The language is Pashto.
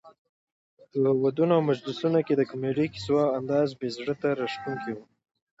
په ودونو او مجلسونو کې د کمیډي کیسو انداز یې زړه ته راښکوونکی وو.